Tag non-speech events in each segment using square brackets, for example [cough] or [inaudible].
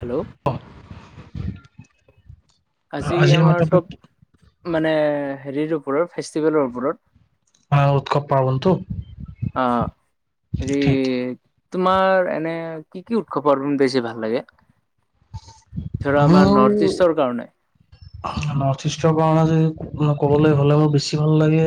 Hello [unintelligible] আজি আজিৰ মাত্ৰ আমাৰ তব মানে হেৰিৰ ওপৰত ফেষ্টিভেলৰ ওপৰত। অ উৎসৱ পাৰ্বণটো অ হেৰি ঠিক তোমাৰ এনে কি কি উৎসৱ পাৰ্বণ বেছি ভাল লাগে ধৰা আমাৰ নৰ্থ ইষ্টৰ কাৰণে [unintelligible] নৰ্থ ইষ্টৰ কাৰণে যদি কবলৈ হলে মোৰ বেছি ভাল লাগে।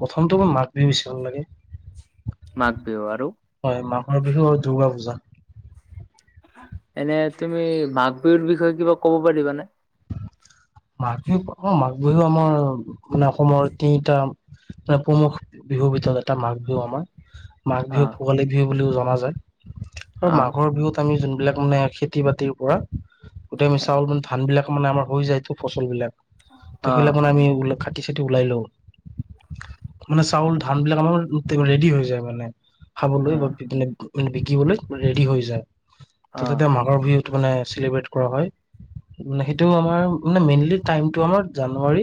প্ৰথমটো মোৰ মাঘ বিহু বেছি ভাল লাগে। মাঘ বিহু আৰু হয় মাঘৰ বিহু আৰু দুৰ্গা পূজা। এনে তুমি মাঘ বিহুৰ বিষয়ে কিবা ক'ব পাৰিবানে মাঘ বিহু অ মাঘ বিহু আমাৰ মানে অসমৰ তিনিটা মানে প্ৰমুখ বিহুৰ ভিতৰত এটা মাঘ বিহু আমাৰ। মাঘ অ বিহু ভোগালী বিহু বুলিও জনা যায়, আৰু অ মাঘৰ বিহুত আমি যোনবিলাক মানে খেতি বাতিৰ পৰা গোটেই আমি চাউল মানে ধান বিলাক মানে আমাৰ হৈ যায় ফচল বিলাক, ত অ সেইবিলাক মানে আমি খাটি চতি ওলাই লওঁ মানে চাউল ধান বিলাক আমাৰ ৰেডি হৈ যায় মানে। খাবলৈ অ বা মানে বিকিবলৈ ৰেডি হৈ যায়, ত অ তাতে মা মাঘৰ বিহুত মানে চেলিব্ৰেট কৰা হয়। মানে সেইটোও আমাৰ মানে মেইনলি টাইমটো আমাৰ জানুৱাৰী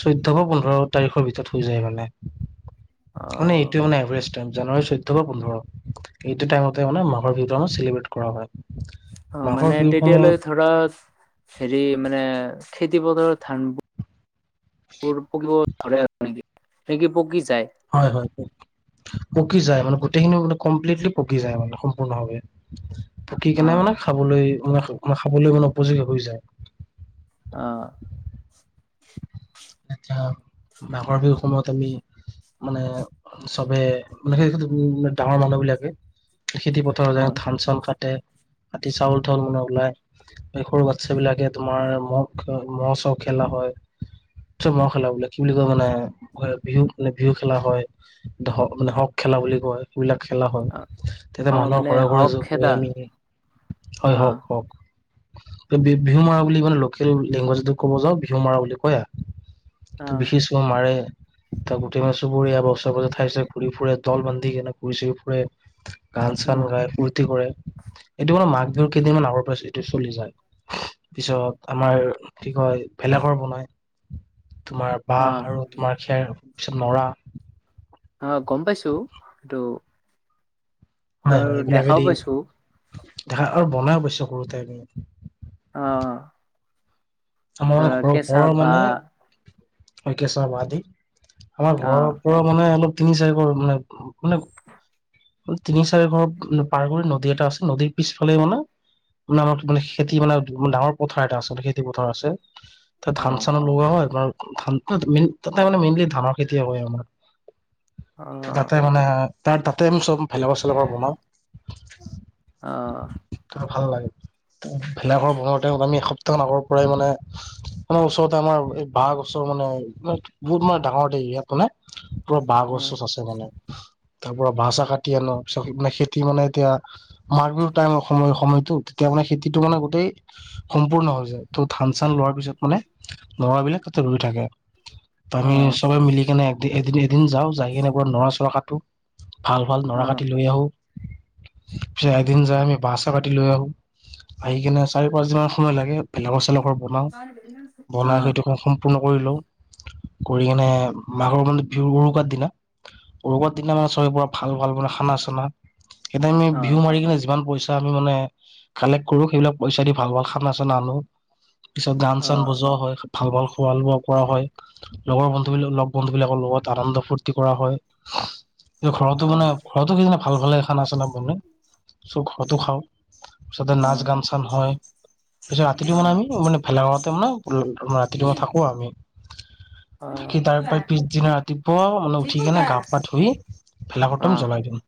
চৈধ্য বা পোন্ধৰ তাৰিখৰ ভিতৰত হৈ যায় মানে, মানে অ এইটো মানে এভাৰেজ টাইম, জানুৱাৰী চৈধ্য বা পোন্ধৰ। এইটো টাইমতে মানে মাহঘৰ বিহু চেলিব্ৰেট কৰা হয়। অ মাঘৰ মানে বিহুৰ তেতিয়ালৈ সময়ত ধৰা হেৰি মানে খেতি-পথাৰ ধানবোৰ [unintelligible] নেকি পকি যাই হয় হয় পকি যায় মানে গোটেইখিনি মানে কমপ্লিটলি পকি যায় মানে সম্পূৰ্ণভাৱে। পকি অ কেনে মানে খাবলৈ মানে খাবলৈ মানে উপযোগী হৈ যায়। আ। এতিয়া মাঘৰ বিহুৰ সময়ত আমি মানে চবে মান সেই ডাঙৰ মানুহ বিলাকে খেতি পথ অ ধান-চান কাটে, কাটি চাউল চাউল মানে ওলাই সৰু বাচ্ছা বিলাকে তোমাৰ মহ মহ-চহ খেলা হয়। ম খেলা বোলে কি বুলি কয় মানে বিহু মানে বিহু খেলা হয়। ধ মানে হক খেলা বুলি কয়। অ অ মানে হক খেদা [unintelligible] হয় অ হওক হওক। বিহু মাৰা বুলি মানে লোকেল লেংগুৱেজটো ক'ব যাওঁ বিহু মাৰা বুলি কয় আৰ। অ ত বিহু-চিহু মাৰে, ত গোটেই মানে চুবুৰীয়া ওচৰে পজৰে ঠাইছে ঘুৰি ফুৰে, দল বান্ধি কেনে ঘূৰি-চূৰি ফুৰে, উম গান-চান গাই, ফূৰ্তি কৰে। এইটো মানে মাঘ বিহুৰ কেইদিনমান আগৰ পিছত এইটো চলি যায়। পিছত অ আমাৰ কি কয় ভেলা ঘৰ বনাই। তোমাৰ বাহ অ আৰু তোমাৰ খেৰ পিছত নৰা অ গম পাইছো এইটো হয় হয় এইবিলাকেদি পাইছো ঘা আৰু বনাই পাইছো সৰুতে আমি। অ। আমাৰ ধৰা ঘৰৰ কেঁচা ঘৰৰ মানে বাঁহ কেচা বাহ দি আমাৰ অ ঘৰৰ ওপৰত মানে অলপ তিনি-চাৰি ঘৰ মানে মানে তিনি-চাৰি ঘৰ পাৰ কৰি নদী এটা আছে নদীৰ পিছফালে মানে মানে আমাৰ খেতি মানে ডাঙৰ পথাৰ এটা আছে খেতি প পথাৰ আছে, তাত অ ধান-চান‌ও লগোৱা হয় [unintelligible] তাতে মানে মেইনলি ধানৰ খেতিয় হয় আমাৰ, অ তাতে মানে তাৰ তাতে চব ভেলাঘৰ-চেলাঘৰ বনাওঁ। অ ভাল লাগে। ভেলাঘৰ বনাওঁতে আমি এসপ্তাহ আগৰ পৰাই মানে মানে ওচৰতে আমাৰ এই বাহ‌ গছৰ মানে বহুত মানে ডাঙৰ দৰি ইয়াত মানে পুৰা বাঁহ অ গছ চছ আছে মানে। তাৰ পৰা বাহ-চাহ কাটি আনোঁ, পিছত মানে খেতি মানে এতিয়া মাঘ বিহুৰ টাইমৰ সময় সময়তো, তেতিয়া মানে খেতিটো মানে গোটেই সম্পূৰ্ণ হৈ যায়। ত ধান-চান লোৱাৰ পিছত মানে ল'ৰা বিলাক তাতে ৰুই থাকে। অ অ আমি চবে মিলি কিনে এদিন এদিন যাওঁ, যায় কিনে পোৰা নৰা চৰা কাটো। ভাল ভাল নৰা কাটি লৈ আহোঁ, পিছে এদিন যায় আমি বাঁহ চাহ কাটি লৈ আহোঁ। আহি কিনে চাৰি পাঁচদিনমান সময় লাগে ভেলাঘৰ চেলাঘৰ বনাওঁ, অ অ বনাই সেইটো সম সম্পূৰ্ণ কৰি লওঁ, কৰি কিনে মাঘৰ মানে বিহুৰ উৰুকাৰ দিনা উৰুকাৰ দিনা মানে চবে পোৰা ভাল ভাল মানে খানা চানা, সেইদিনা আমি অ অ অ অ বিহু মাৰি কিনে যিমান পইচা আমি মানে কালেক্ট কৰোঁ, সেইবিলাক পইচা দি ভাল ভাল খান চানা আনো। পিছত গান চান বজোৱা হয়, ভাল ভাল খোৱা লোৱা কৰা হয়। লগৰ বন্ধুবিলাক লগ বন্ধু বিলাকৰ লগত আনন্দ ফূৰ্তি কৰা হয়। ঘৰতো মানে ঘৰতো সেইদিনা ভাল ভালে এ খান চানা বনাই, চ' ঘৰতো খাওঁ। তাৰপিছতে নাচ গান চান হয়, পিছত কিন্তু মানে আমি মানে ভেলাঘৰতে মানে ৰাতিটো মানে থাকোঁ আমি। থাকি তাৰপৰা পিছদিনা ৰাতিপুৱাও মানে উঠি কিনে গা পা ধুই ভেলাঘৰটো আমি জ্বলাই দিওঁ।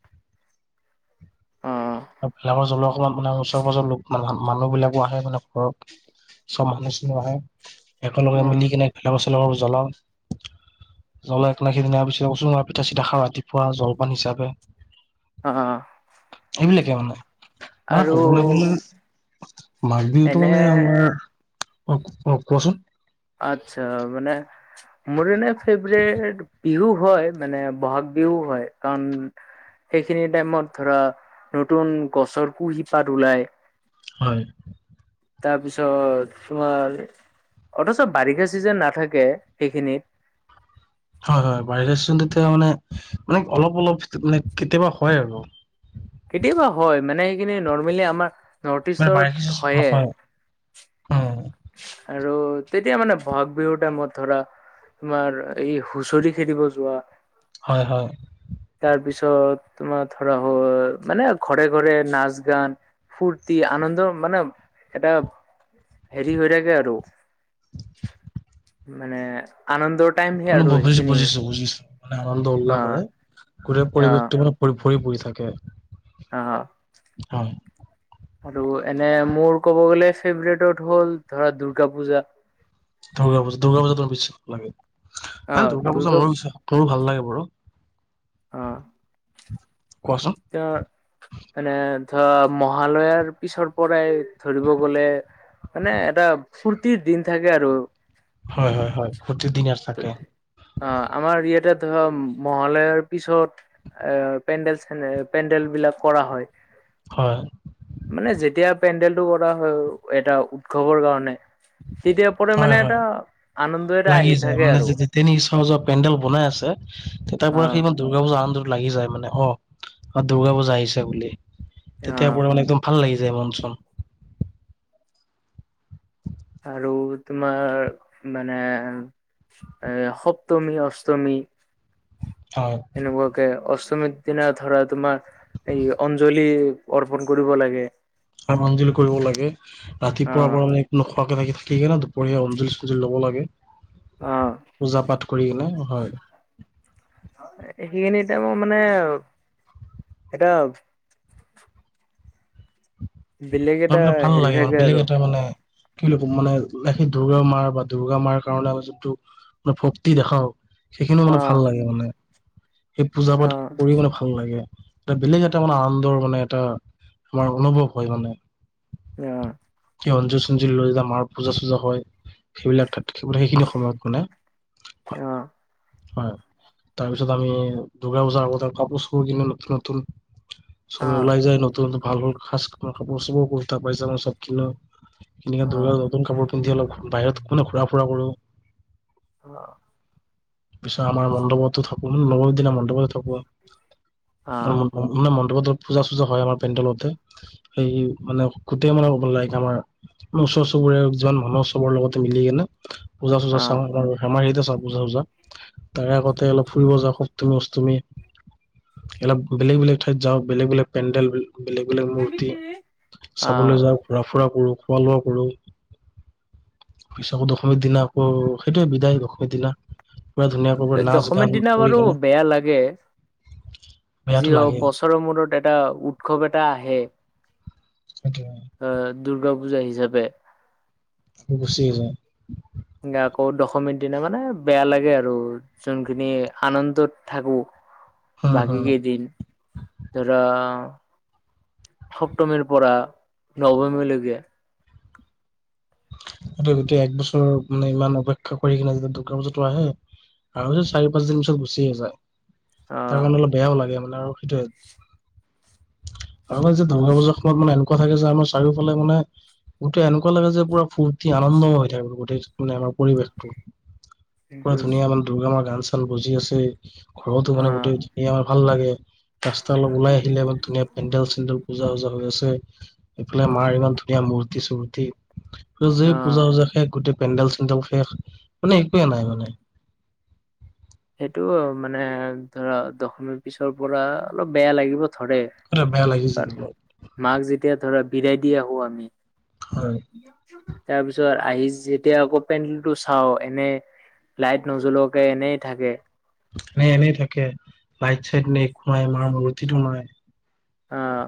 অ আৰু ভেলাঘৰ জ্বলোৱা সময়ত মানে ওচৰে পাজৰৰ লোক মানুহ বিলাকো আহে মানে। ধৰক চব মানুহ চানুহ আহে, অ অ একেলগে মিলি কিনে ভেলাঘৰ চেলাঘৰ জ্বলাওঁ। [inaudible] জ্বলাই থলাই সেইদিনা [unintelligible] পিঠা চিটা খাওঁ ৰাতিপুৱা জলপান হিচাপে। অহ। এইবিলাকে মানে, মানে আৰু কবলৈ গলে মাঘ বিহুত এনে মানে আমাৰ, অ অ কোৱাচোন। আচ্ছা মানে মোৰ এনে ফেভৰেট বিহু হয়, মানে বহাগ বিহু হয় কাৰণ সেইখিনি টাইমত ধৰা নতুন গছৰ কুহি পাত ওলাই। হয়। তাৰপিছত তোমাৰ, অথচ বাৰিষা চিজন নাথাকে সেইখিনিত। হয় হয় বাৰিষা চিজনটো তেতিয়া মানে মানে অলপ অলপ মানে কেতিয়াবা হয় আৰু। কেতিয়াবা হয়, মানে সেইখিনি নৰ্মেলি আমাৰ নৰ্থ মানে বাৰিষা ইষ্টত হয়ে। নহয় উম আৰু তেতিয়া মানে বহাগ বিহুৰ টাইমত ধৰা তোমাৰ এই হুঁচৰি খেদিব যোৱা হয় হয়। তাৰপিছত তোমাৰ ধৰা হ'ল মানে ঘৰে ঘৰে নাচ গান ফূৰ্তি আনন্দ মানে এটা হেৰি হৈ থাকে আৰু মানে আনন্দৰ টাইম সেই আৰু বুজিছোঁ সেইখিনি বুজিছোঁ বুজিছোঁ মানে আনন্দ উল্লাহ অ কৰে। গোটেই অ পৰিৱেশটো মানে ভৰি পৰি থাকে। অঁ। হয়। আৰু এনে মোৰ ক'ব গ'লে ফেভৰেটত হ'ল ধৰা দূৰ্গা পূজা। দুৰ্গা পূজা, দুৰ্গা পূজাটো মোৰ [unintelligible] লাগে। এ দুৰ্গা পূজা মোৰো [unintelligible] মোৰো ভাল লাগে বাৰু। অঁ। কোৱাচোন। এয়া মানে ধৰা মহালয়াৰ পিছৰ পৰাই ধৰিব গলে মানে এটা ফূৰ্তিৰ দিন থাকে আৰু। হয়, হয়, হয়, প্ৰতিদিন আছ অ', আমাৰ ইয়াতে ধৰা মহালয়াৰ পিছত এ পেণ্ডেল চে পেণ্ডেলবিলাক কৰা হয়। হয়। মানে যেতিয়া পেণ্ডেলটো কৰা হয় এটা উৎসৱৰ কাৰণে। তেতিয়াৰ পৰা হয় মানে হয় এটা আনন্দ এটা লাগি আহি যায় থাকে মানে আৰু [unintelligible] পেণ্ডেল বনাই আছে তেতিয়াৰ পৰা সি অ', দূৰ্গা পুজা আনন্দটো লাগি যায় মানে অ', আ দুৰ্গা পূজা আহিছে বুলি, তেতিয়া অ', পুৰা মানে একদম ভাল লাগি যায় মন চন। আৰু তোমাৰ মানে এ সপ্তমী, অষ্টমী হয়। এনেকুৱাকে অষ্টমীৰ দিনা ধৰা তোমাৰ এই অঞ্জলি অৰ্পন কৰিব লাগে। স আঞ্জলি কৰিব লাগে ৰাতিপুৱা অ', বাৰু মানে নোখোৱাকে থাকি ন বঢ়িয়া অঞ্জুলি চঞ্জুলি ল'ব লাগে, অ', পূজা-পাঠ কৰি কিনে, হয়। সেইখিনি এতিয়া মই মানে এটা বেলেগ এটা [unintelligible] ভাল হেৰি লাগে মানে থাকে বেলেগ আৰু এটা মানে কি বুলি কম মানে সেই দূৰ্গা মাৰ বা দূৰ্গা মাৰ কাৰণে যোনটো মানে ভক্তি দেখাও সেইখিনিও মানে ভাল অ', লাগে মানে সেই পূজা পাঠ অ', কৰি মানে ভাল ভাল লাগে, এ বেলেগ এটা মানে আনন্দৰ মানে এটা তোমাৰ অনুভৱ হয় মানে। অ'। কি অঞ্জুৰ চ্জিৰ লৈ জতিয়া মাৰ পূজা চূজা হৈ। সেইবিলাক থাতখে সেইখিনি সময়ত মানে, হয়। অ', হয়, তাৰপিছত আমি দূৰ্গা পূজাৰ আগতে কাপোৰ চাপোৰ কিনো নতুন নতুন। চবে অ', ওলাই যায় নতুন নতন ভাল ভাল খাজ কাপোৰ চাপুৰ, কুৰ্তা পাইজামা চব কিনো। এনে দূৰ্গা অ', নতুন কাপোৰ পিন্ধি অলপ বাহিৰত কোনে ঘূৰা ফুৰা কৰোঁ। অ'। পিছত আমাৰ মণ্ডপতো থাকোঁ নৱমীৰ দিনা মণ্ডপতে থাকো। অ', মানে মণ্ডপত পূজা চূজা হয় আমাৰ পেণ্ডলতে। সেই মানে গোটেই মানে ক লাগক আমাৰ ওচৰ চুবুৰীৰে যিমান মানুহ চবৰ লগতে মিলি কনে পূজা চূজা অ', চাওঁ। আমাৰ ইতে চাওঁ পূজা চুজা তাৰে আগতে অলপ ফুৰিব যাওঁ সপ্তমী, অষ্টমী। এলপ বেলেগ বেলেগ ঠাইত যাওঁ, বেলেগ বেলেগ পেণ্ডেল বেলেগ বেলেগ মূৰ্তি অ', চাবলৈ যাওঁ, ঘূৰা-ফুৰা কৰোঁ, খোৱা লোৱা কৰোঁ। দশমীৰ দিনা আকৌ সেইটোৱে বিদায় দশমীৰ দিনা। পুৰা ধুনীয়াকৈ এ নাচ দশমী গান দিনা কৰি বাৰু কেনে বেয়া লাগে বেয়াটো যি হওঁক লাগে কচ বছৰৰ মূৰত এটা উৎসৱ এটা আহে। [unintelligible] অহ, দূৰ্গা পূজা হিচাপে। গুচিয়ে যায়। আকৌ দশমীৰ দিনা মানে বেয়া লাগে আৰু। যোনখিনি আনন্দত থাকো হম বাকী হম কেইদিন। ধৰা সপ্তমীৰ পৰা নৱমীলৈকে। সেইটো গোটেই এক বছৰ মানে ইমান অপেক্ষা কৰি কিনে যিটো দুৰ্গা পূজাটো আহে। আৰু যে চাৰি পাঁচ দিন পিছত গুচিয়ে যায় তাৰ অ', কাৰণে অলপ বেয়াও লাগে মানে আৰু। সেইটোৱে আমাৰ যে দুৰ্গা পূজাৰ সময়ত মানে এনেকুৱা থাকে যে আমাৰ চাৰিওফালে মানে গোটেই এনেকুৱা লাগে যে পুৰা ফূৰ্তি আনন্দম হৈ থাকিব গোটেই মানে আমাৰ পৰিৱেশটো পুৰা ধুনীয়া ইমান দুৰ্গামাৰ গান চান বজি আছে ঘৰতো মানে অ', গোটেই [unintelligible] আমাৰ ভাল লাগে। ৰাস্তা অলপ ওল আহিলে মানে ধুনীয়া পেণ্ডেল চেণ্ডেল পূজা ওজা হৈ আছে এইফালে মাৰ ইমান ধুনীয়া মূৰ্তি চূৰ্তি আৰু যে এই অ', পূজা পূজা শেষ গোটেই পেণ্ডেল চেডেল শেষ মানে একোৱে নাই মানে। সেইটো মানে ধৰা দশমীৰ পিছৰ পৰা অলপ বেয়া লাগিব ধৰে। সেইটোৱে বেয়া লাগি যায় কাৰণ অলপ মাক যেতিয়া ধৰা বিৰাই দি আহো আমি হয়। তাৰ পিছত আহি যেতিয়া আকৌ পেণ্ডেল টো চাও এনে লাইট নজলোৱাকে এনেই থাকে। নে এনেই থাকে লাইট চাইড নে একো নাই মাৰ মুৰ্তি টো নাই। আহ।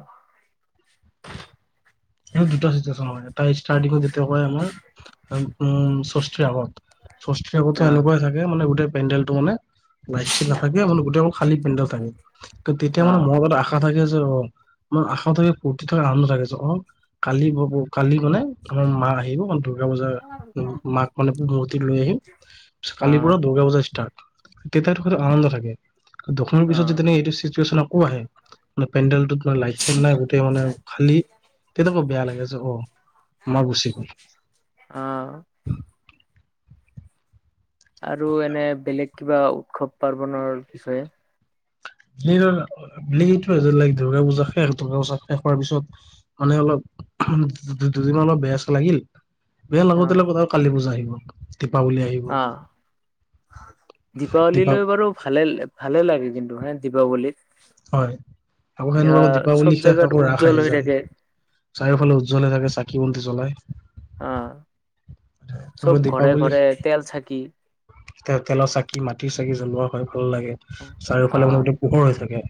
এই দুটা চিচুৱেচন হয় এটা ষ্টাৰ্টিংত যেতিয়া হয় আমাৰ উম ষষ্ঠীৰ আগত। ষষ্ঠিৰ আগতো অ', এনেকুৱাই থাকে মানে গোট পণ্ডেলটো মানে লাইট ছাইট নাথাকে মানে গোটেই খালী পেণ্ডেল থাকে ত তেতিয়া মানে অ', [unintelligible] আ আশা থাকে যে অ মনত আশা থাকে ফূৰ্তি থকা আনন্দ থাকে যে অ'। কালি কালি মানে আমাৰ মা আহিব অন্ত দুৰ্গা বজাৰ মাক মানে মূৰ্তি লৈ আহিম কালিৰ অ', পৰা দুৰ্গা পূজা ষ্টাৰ্ট। তেতিয়া থকাটো আনন্দ থাকে দশমিৰ পিছত অ'। যেতিয়ানে এইটো ছিকুৱেন্স আকৌ আহে মানে পেণ্ডেলটোত মানে লাইট চাই নাই গোটেই মানে খালী তেতিয়া বৰ বেয়া লাগেছে অ মা গুচি গল। অ'। আৰু এনে বেলেগ কিবা উৎসৱ পাৰ্বনৰৰ বিষয়ে। [unintelligible] দুৰ্গা পূজা শেষ দুৰ্গা পূজা শেষ হোৱাৰ পিছত মানে অলপ দুদিন অলপ বেয়া চেয়া লাগিল বেয়া অ লাগোতে লাগো আও কালি পূজা আহিব দীপাৱলী আহি গ'ল অ দীপাৱলী দীপা লৈ বাৰু ভালে। ভালে লাগে কিন্তু হে দীপৱলীত। হয় আকৌ সেনেকুৱা আকৌ দীপাৱলী শেষ জেগাত আকৌ ৰাস উজ্জ্বল আহি হৈ যায়। থাকে চাৰিওফালে উজ্জ্বল হৈ থাকে চাকি বন্তি চলাই। অহ চব ঘৰে দীপাৱলী ঘৰে তেল চাকি। তে তেলৰ চাকি মাটিৰ চাকি জ্বলোৱা হয় ভাল লাগে চাৰিওফালে মানে অ গোটেই পোহৰ হৈ থাকে।